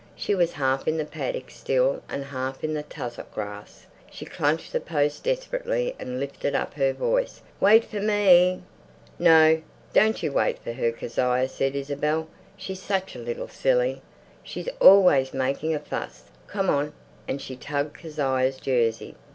She was half in the paddock still and half in the tussock grass. She clutched the post desperately and lifted up her voice. "Wait for me!" "No, don't you wait for her, Kezia!" said Isabel. "She's such a little silly. She's always making a fuss. Come on!" And she tugged Kezia's jersey.